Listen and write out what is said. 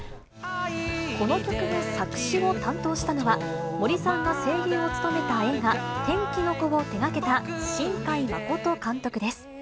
この曲の作詞を担当したのは、森さんが声優を務めた映画、天気の子を手がけた新海誠監督です。